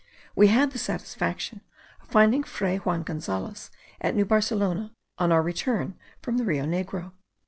We had the satisfaction of finding Fray Juan Gonzales at New Barcelona, on our return from the Rio Negro.